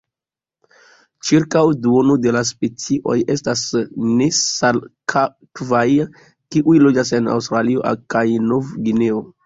Ĉirkaŭ duono de la specioj estas nesalakvaj, kiuj loĝas en Aŭstralio kaj Novgvineo.